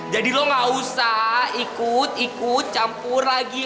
jadi lo gak usah ikut ikut campur lagi